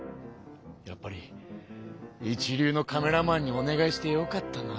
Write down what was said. やっぱり一流のカメラマンにお願いしてよかったな。